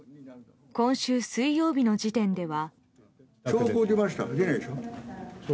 今週水曜日の時点では。